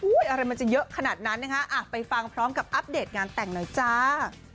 อะไรมันจะเยอะขนาดนั้นนะคะไปฟังพร้อมกับอัปเดตงานแต่งหน่อยจ้า